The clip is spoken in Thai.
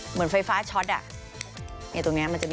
เหมือนไฟฟ้าช็อตอ่ะ